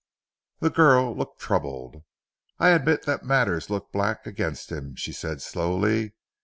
The girl looked troubled. "I admit that matters look black against him," she said slowly.